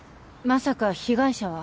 まさか被害者は。